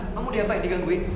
kenapa kamu diapa yang digangguin